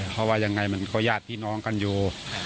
เพราะว่ายังไงมันก็ญาติพี่น้องกันอยู่